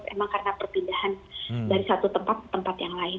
emang karena perpindahan dari satu tempat ke tempat yang lain